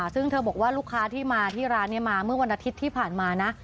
ซึ่งเธอบอกว่าลูกค้าที่มาที่ร้านนี้มาเมื่อวันอาทิตย์ที่ผ่านมานะ